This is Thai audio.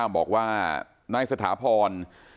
บอกว่านายสถาพร